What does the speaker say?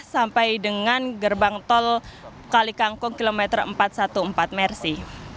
sampai dengan gerbang tol kalikangkung kilometer empat ratus empat belas mersi